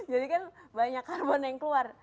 jadi kan banyak karbon yang keluar